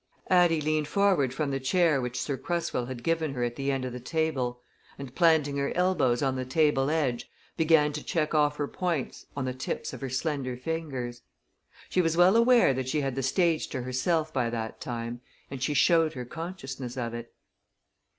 Addie leaned forward from the chair which Sir Cresswell had given her at the end of the table and planting her elbows on the table edge began to check off her points on the tips of her slender fingers. She was well aware that she had the stage to herself by that time and she showed her consciousness of it.